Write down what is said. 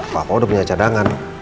papa udah punya cadangan